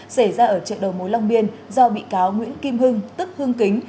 xảy ra ở chợ đầu mối long biên do bị cáo nguyễn kim hưng tức hưng kính